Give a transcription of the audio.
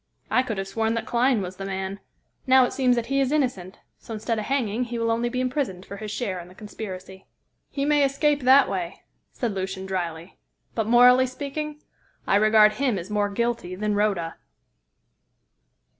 I could have sworn that Clyne was the man. Now it seems that he is innocent, so instead of hanging he will only be imprisoned for his share in the conspiracy." "He may escape that way," said Lucian drily, "but, morally speaking, I regard him as more guilty than Rhoda."